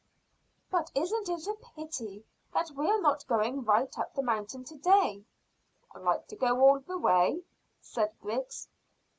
"But isn't it a pity that we are not going right up the mountain to day?" "Like to go all the way?" said Griggs.